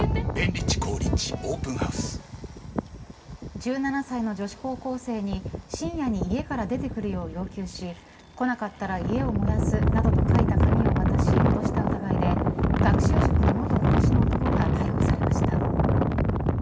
１７歳の女子高校生に深夜に家から出てくるよう要求し来なかったら家を燃やすなどと書いた紙を渡し脅した疑いで学習塾の元講師の男が逮捕されました。